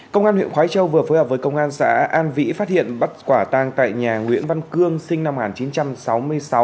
công an huyện khói châu vừa phối hợp với công an xã an vĩ phát hiện bắt quả tang tại nhà nguyễn văn cương sinh năm một nghìn chín trăm sáu mươi sáu